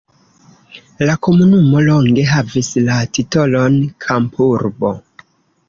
La komunumo longe havis la titolon kampurbo.